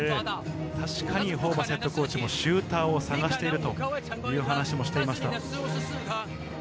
確かにホーバスＨＣもシューターを探しているという話もしていました。